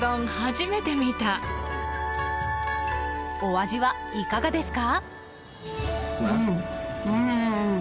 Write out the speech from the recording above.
お味は、いかがですか？